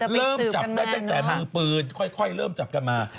เริ่มจับได้ตั้งแต่มือปืนค่อยเริ่มจับกันมา